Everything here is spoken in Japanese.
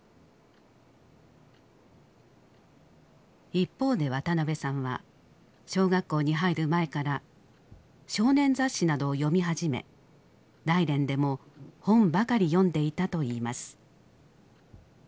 一方で渡辺さんは小学校に入る前から少年雑誌などを読み始め大連でも本ばかり読んでいたといいます。